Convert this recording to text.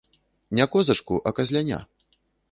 Не козачку, а казляня.